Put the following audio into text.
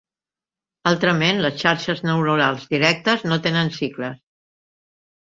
Altrament les xarxes neuronals directes no tenen cicles.